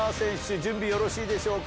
準備よろしいでしょうか？